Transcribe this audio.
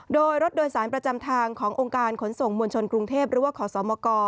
โดยรถโดยสารประจำทางขององค์การขนส่งมวลชนกรุงเทพหรือว่าขอสมก